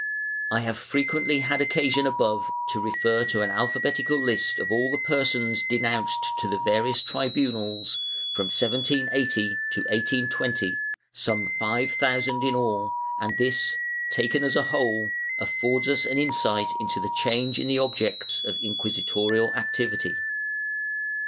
I have frequently had occasion above to refer to an alphabetical list of all the persons denounced to the various tribunals, from 1780 to 1820, some five thousand in all, and this, taken as a whole, affords us an insight into the change in the objects of inciuisitorial activity.